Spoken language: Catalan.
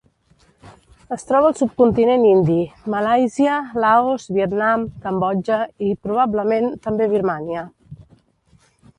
Es troba al subcontinent indi, Malàisia, Laos, Vietnam, Cambodja i, probablement també, Birmània.